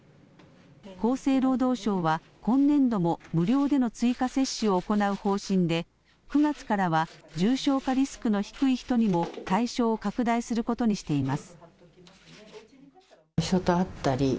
厚生労働省は今年度も無料での追加接種を行う方針で、９月からは重症化リスクの低い人にも対象を拡大することにしています。